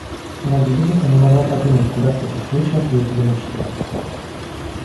Она без ужаса не могла подумать, куда в таких случаях ездили мужчины.